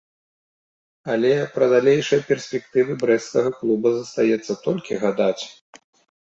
Але пра далейшыя перспектывы брэсцкага клуба застаецца толькі гадаць.